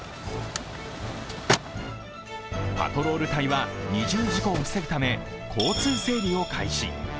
パトロール隊は、二重事故を防ぐため交通整理を開始。